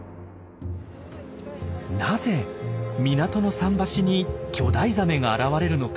なぜ港の桟橋に巨大ザメが現れるのか。